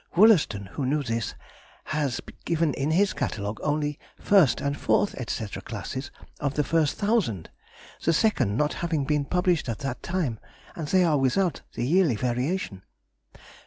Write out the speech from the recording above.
Wollaston, who knew this, has given in his Catalogue only 1st and 4th, &c. classes of the first 1000, the second not having been published at that time, and they are without the yearly variation.